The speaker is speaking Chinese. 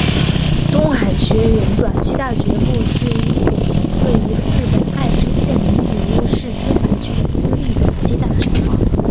东海学园短期大学部是一所位于日本爱知县名古屋市天白区的私立短期大学。